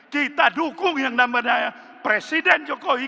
kita dukung yang namanya presiden jokowi